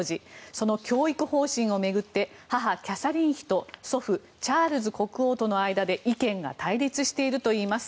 その教育方針を巡って母・キャサリン妃と祖父・チャールズ国王との間で意見が対立しているといいます。